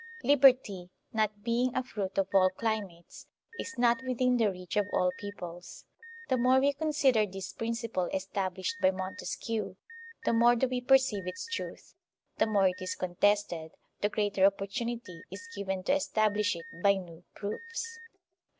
Liberty, not being a fruit of all climates, is not within the reach of all peoples. The more we consider this principle established by Montesquieu, the more do we perceive its truth; the more it is contested, the greater opportunity is given to establish it by new proofs.